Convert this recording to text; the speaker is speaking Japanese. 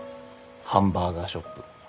ハンバーガーショップ。